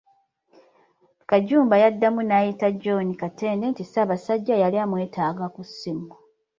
Kajumba yaddamu n'ayita John Katende nti Ssabasajja yali amwetaaga ku ssimu.